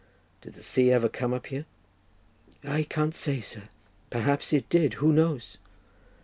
"Did the sea ever come up here?" "I can't say, sir; perhaps it did; who knows?"